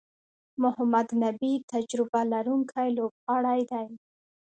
محمد نبي تجربه لرونکی لوبغاړی دئ.